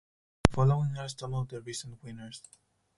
The following are some of the recent winners.